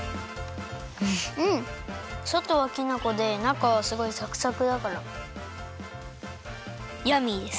そとはきな粉でなかはすごいサクサクだからヤミーです！